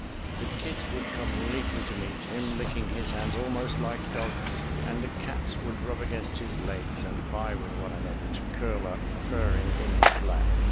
The kids would come leaping to meet him, licking his hands almost like dogs and the cats would rub against his legs and vie with one another to curl up purring in his lap.